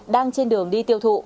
đang trên đường đi tiêu thụ